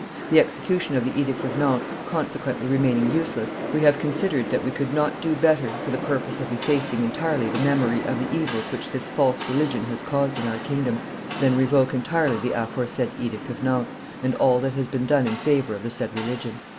The execution of the Edict of Nantes consequently remaining useless, we have considered that we could not do better, for the purpose of effacing entirely the memory of the evils which this false religion has caused in our kingdom, than revoke entirely the aforesaid Edict of Nantes, and all that has been done in favor of the said religion."